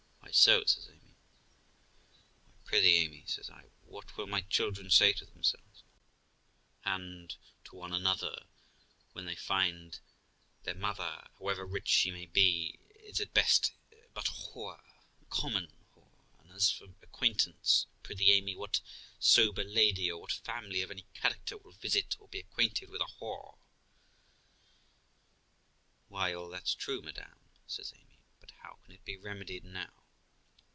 'Why so?' says Amy. 'Why, prithee, Amy', says I, 'what will my children say to themselves, and to one another, when they find their mother, however rich she may be, is at best but a whore, a common whore? And as for acquaintance, prithee, Amy, what sober lady or what family of any character will visit or be acquainted with a whore?' 'Why, all that's true, madam', says Amy; 'but how can it be remedied now?'